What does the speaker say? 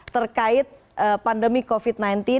terkait pandemi covid sembilan belas